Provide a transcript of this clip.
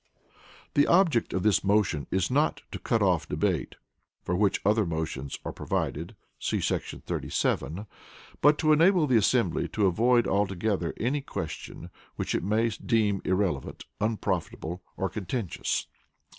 The Object of this motion is not to cut off debate (for which other motions are provided, see § 37), but to enable the assembly to avoid altogether any question which it may deem irrelevant, unprofitable or contentious.